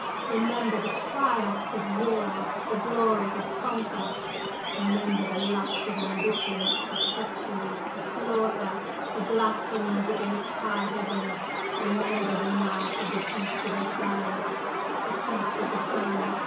Remember the triumphs of war! the glories of conquest! Remember the lust of ambition! the treachery! the slaughter! the blasphemies against high Heaven! Remember the night of the Feast of Osiris the Feast of the Sun!